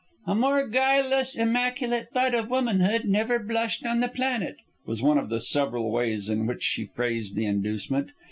"A more guileless, immaculate bud of womanhood never blushed on the planet," was one of the several ways in which she phrased the inducement.